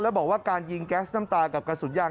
แล้วบอกว่าการยิงแก๊สน้ำตากับกระสุนยาง